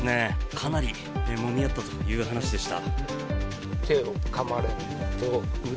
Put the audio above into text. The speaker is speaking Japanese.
かなりもみ合ったという話でした。